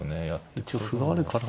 一応歩があるから。